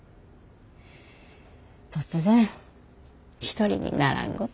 突然一人にならんごと。